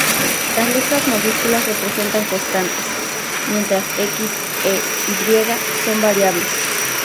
Las letras mayúsculas representan constantes, mientras "x" e "y" son variables.